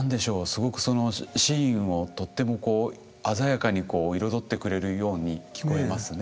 すごくそのシーンをとってもこう鮮やかに彩ってくれるように聞こえますね。